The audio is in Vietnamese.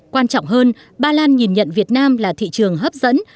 quan trọng hơn ba lan nhìn nhận việt nam là thị trường hấp dẫn